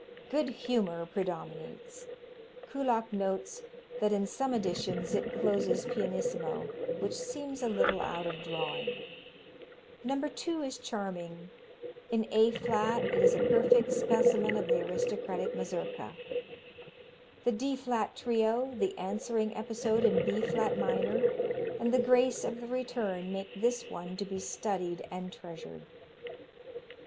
Good humor predominates. Kullak notes that in some editions it closes pianissimo, which seems a little out of drawing. No. 2 is charming. In A flat, it is a perfect specimen of the aristocratic Mazurka. The D flat Trio, the answering episode in B flat minor, and the grace of the return make this one to be studied and treasured.